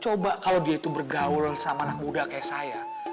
coba kalau dia itu bergaul sama anak muda kayak saya